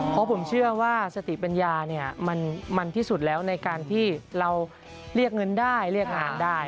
เพราะผมเชื่อว่าสติปัญญาเนี่ยมันที่สุดแล้วในการที่เราเรียกเงินได้เรียกงานได้